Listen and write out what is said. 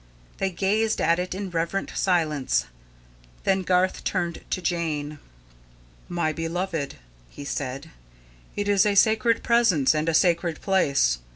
They gazed at it in reverent silence. Then Garth turned to Jane. "My beloved," he said, "it is a sacred Presence and a sacred place.